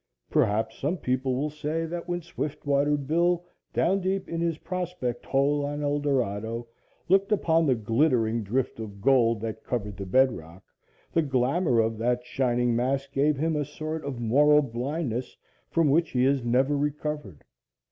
Perhaps some people will say that when Swiftwater Bill, down deep in his prospect hole on Eldorado, looked upon the glittering drift of gold that covered the bedrock, the glamor of that shining mass gave him a sort of moral blindness, from which he has never recovered.